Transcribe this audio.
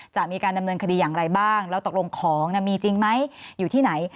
จะมีการดำเนินคดีอย่างไรบ้างแล้วตกลงของมีจริงไหมอยู่ที่ไหน